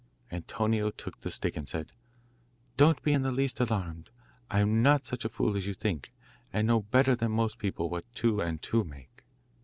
Antonio took the stick and said, 'Don't be in the least alarmed, I'm not such a fool as you think, and know better than most people what two and two make.